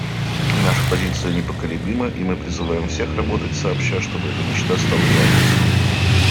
Наша позиция непоколебима, и мы призываем всех работать сообща, чтобы эта мечта стала реальностью.